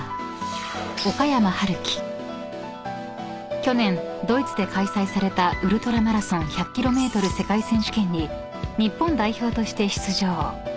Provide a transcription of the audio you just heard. ［去年ドイツで開催されたウルトラマラソン１００ｋｍ世界選手権に日本代表として出場］